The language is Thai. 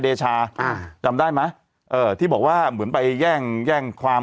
เดชาอ่าจำได้ไหมเอ่อที่บอกว่าเหมือนไปแย่งแย่งความ